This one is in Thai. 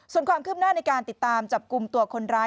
ส่วนความคืบหน้าในการติดตามจับกลุ่มตัวคนร้าย